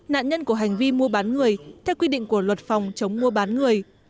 nạn nhân của hành vi mua bán người theo quy định của luật phòng chống mua bán người